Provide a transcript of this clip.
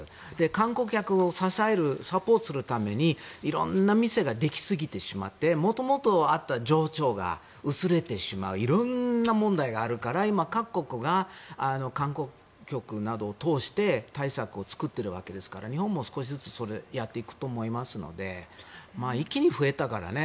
観光客を支える、サポートするために色んな店ができすぎてしまって元々あった情緒が薄れてしまう色んな問題があるから今、各国が観光局などを通して対策を作っているわけですから日本も少しずつそれをやっていくと思いますので一気に増えたからね。